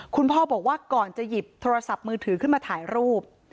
คุณพ่อบอกว่าก่อนจะหยิบโทรศัพท์มือถือขึ้นมาถ่ายรูป